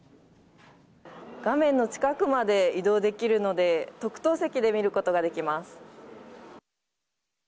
画面の近くまで移動できるので特等席で見ることができます。